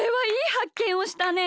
はっけんをしたね。